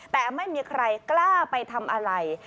แต่ไม่มีใครกล้าไปทำอะไร